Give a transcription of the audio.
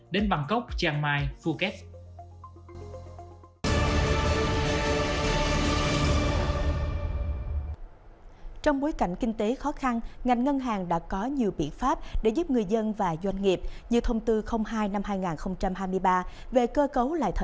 đến bangkok chiang mai phuket